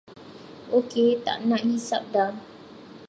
Okey taknak hisap dah.